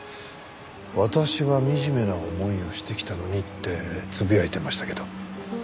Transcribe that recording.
「あたしは惨めな思いをしてきたのに」ってつぶやいてましたけど。